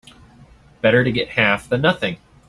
Better to get half than nothing.